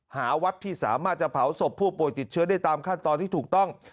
หาวัดที่สามารถจะเผาศพผู้ป่วยติดเชื้อได้ตามขั้นตอนที่ถูกต้อง